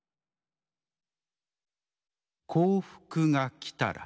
「『幸福』がきたら」。